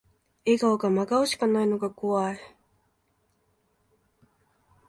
笑顔か真顔しかないのが怖い